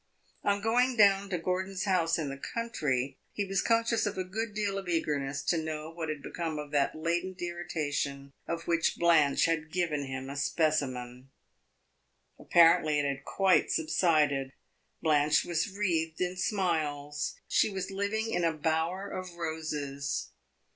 On going down to Gordon's house in the country, he was conscious of a good deal of eagerness to know what had become of that latent irritation of which Blanche had given him a specimen. Apparently it had quite subsided; Blanche was wreathed in smiles; she was living in a bower of roses.